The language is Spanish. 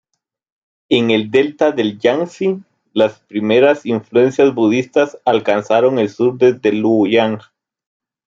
En el delta del Yangzi, las primeras influencias budistas alcanzaron el sur desde Luoyang.